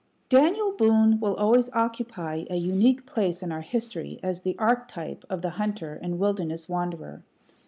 Daniel Boone will always occupy a unique place in our history as the archetype of the hunter and wilderness wanderer.